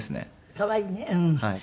可愛いね。